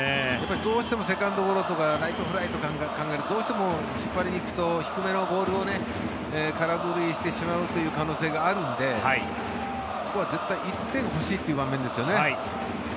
どうしてもセカンドゴロとかライトフライを考えるとどうしても引っ張りにいくと低めのボールを空振りしてしまうという可能性があるのでここは絶対１点欲しいという場面ですよね。